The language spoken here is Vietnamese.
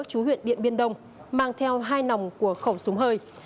chú huyện điện biên đông mang theo hai nòng của khẩu súng hơi